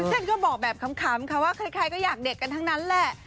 ท่านก็บอกแบบคำค่ะว่าใครก็อยากเด็กกันทั้งนั้นแหละ